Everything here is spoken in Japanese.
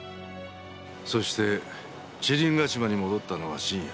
そして知林ヶ島に戻ったのは深夜。